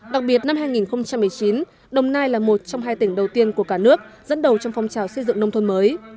đặc biệt năm hai nghìn một mươi chín đồng nai là một trong hai tỉnh đầu tiên của cả nước dẫn đầu trong phong trào xây dựng nông thôn mới